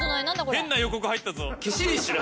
変な予告入ったぞ。